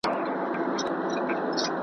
زما یې جهاني قلم د یار په نوم وهلی دی .